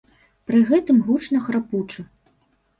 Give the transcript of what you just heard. Пры гэтым гучна храпучы.